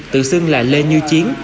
tự xưng là lê như chiến